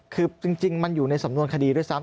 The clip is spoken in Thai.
คือจริงมันอยู่ในสำนวนคดีด้วยซ้ำ